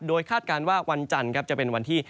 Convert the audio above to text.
โดยคาดการณ์ว่าวันจันทร์จะเป็นวันที่